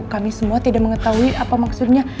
kami semua tidak mengetahui apa maksudnya